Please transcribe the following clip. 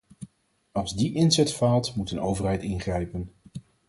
Als die inzet faalt, moet een overheid ingrijpen.